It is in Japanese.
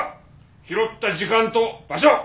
拾った時間と場所は！？